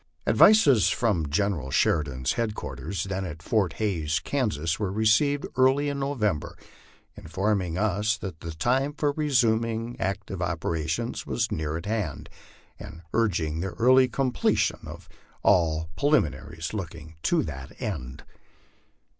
Advices from General Sheridan's headquarters, then at Fort Hays, Kansas, were received early in November, informing us that the time for resuming active operations was near at hand, and urging the early completion of aT LIFE OX THE PLAINS. 143 preliminaries looking to that end.